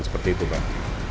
seperti itu pak